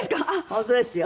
本当ですよ。